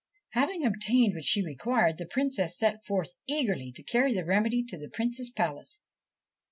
Having obtained what she required, the Princess set forth eagerly to carry the remedy to the Prince's palace.